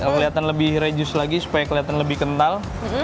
kelihatan lebih reduce lagi supaya kelihatan lebih kental